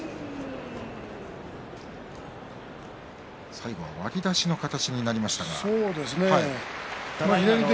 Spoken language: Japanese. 最後は割り出しの形になりました。